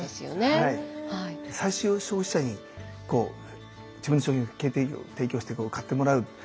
最終消費者に自分の商品を提供して買ってもらう。